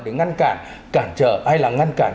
để ngăn cản cản trở hay là ngăn cản